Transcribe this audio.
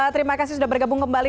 terima kasih sudah bergabung kembali